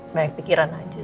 banyak pikiran aja sih